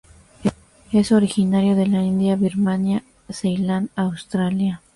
Es originario de la India, Birmania, Ceilán, Australia.